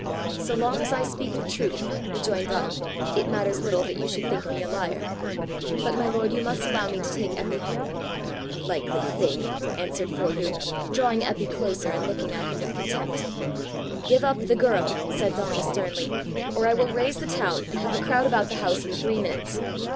"So long as I speak the truth," rejoined Donal, "it matters little that you should think me a liar. But, my lord, you must allow me to take Eppy home." "A likely thing!" answered Forgue, drawing Eppy closer, and looking at him with contempt. "Give up the girl," said Donal sternly, "or I will raise the town, and have a crowd about the house in three minutes."